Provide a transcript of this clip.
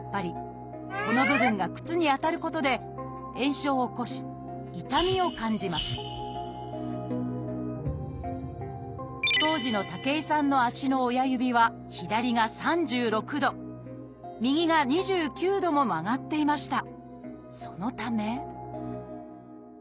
この部分が靴に当たることで炎症を起こし痛みを感じます当時の武井さんの足の親指は左が３６度右が２９度も曲がっていました。